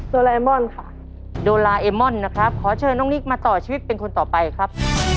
โลเอมอนค่ะโดลาเอมอนนะครับขอเชิญน้องนิกมาต่อชีวิตเป็นคนต่อไปครับ